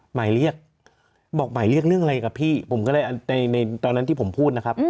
หมายเรียกบอกหมายเรียกเรื่องอะไรกับพี่ผมก็เลยในตอนนั้นที่ผมพูดนะครับ